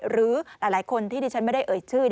หรือหลายคนที่ดิฉันไม่ได้เอ่ยชื่อ